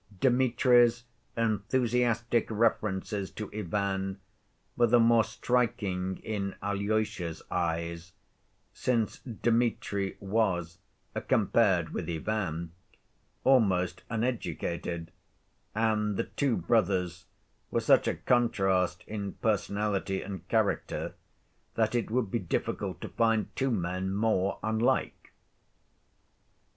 Dmitri's enthusiastic references to Ivan were the more striking in Alyosha's eyes since Dmitri was, compared with Ivan, almost uneducated, and the two brothers were such a contrast in personality and character that it would be difficult to find two men more unlike.